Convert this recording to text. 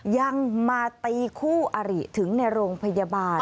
ยังมาตีคู่อริถึงในโรงพยาบาล